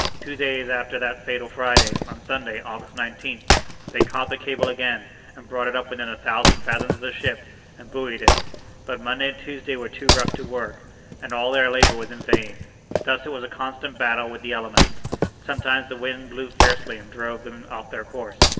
Two days after that fatal Friday, on Sunday, August 19th, they caught the cable again, and brought it up within a thousand fathoms of the ship, and buoyed it. But Monday and Tuesday were too rough for work, and all their labor was in vain. Thus it was a constant battle with the elements. Sometimes the wind blew fiercely and drove them off their course.